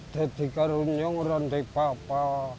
dikarun nyong rendik papa